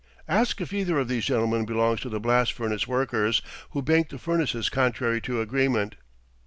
"Ask if either of these gentlemen belongs to the blast furnace workers who banked the furnaces contrary to agreement."